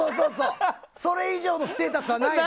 それ以上のステータスはない。